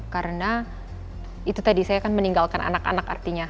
karena itu tadi saya kan meninggalkan anak anak artinya